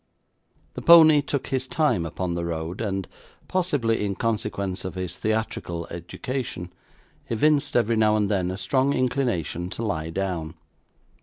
The pony took his time upon the road, and possibly in consequence of his theatrical education evinced, every now and then, a strong inclination to lie down.